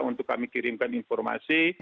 untuk kami kirimkan informasi